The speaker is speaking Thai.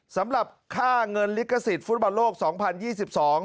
สำหรับค่าเงินลิขสิทธิ์ฟุตบอลโลกสองพันยี่สิบสอง